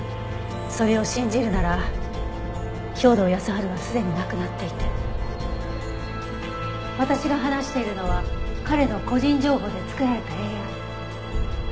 それを信じるなら兵働耕春はすでに亡くなっていて私が話しているのは彼の個人情報で作られたＡＩ。